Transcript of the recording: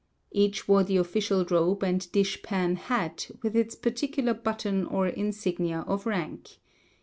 Each wore the official robe and dish pan hat, with its particular button or insignia of rank.